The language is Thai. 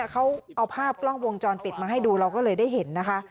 เขาเอาภาพกล้องวงจรปิดมาให้ดูเราก็เลยได้เห็นนะคะ